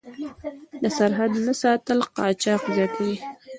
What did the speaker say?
د سرحد نه ساتل قاچاق زیاتوي.